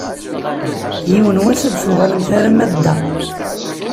Yiwen n wass ad d-tuɣalemt alamma d da.